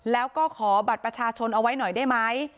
แล้วก็ขอบัตรประชาชนเอาไว้หน่อยได้ไหม